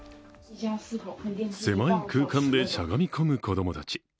狭い空間でしゃがみ込む子供たち。